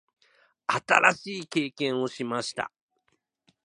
新しい経験をしました。